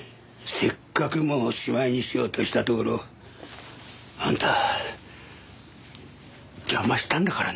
せっかくもうしまいにしようとしたところあんた邪魔したんだからね。